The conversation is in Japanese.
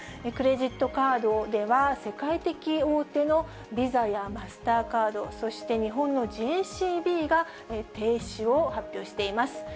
クレジットカードでは、世界的大手のビザやマスターカード、そして日本のＪＣＢが停止を発表しています。